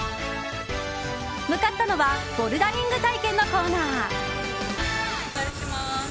向かったのはボルダリング体験のコーナー。